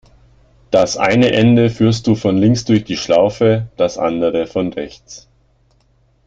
Das eine Ende führst du von links durch die Schlaufe, das andere von rechts.